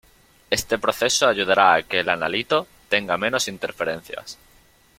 Este proceso ayudara a que el analito tenga menos interferencias.